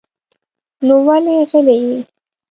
نو ولې غلی يې؟